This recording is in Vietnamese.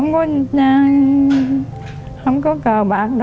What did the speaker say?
không có cờ bạc